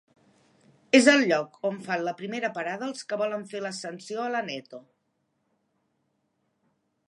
És el lloc on fan la primera parada els que volen fer l'ascensió a l'Aneto.